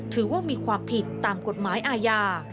ถือว่ามีความผิดตามกฎหมายอาญา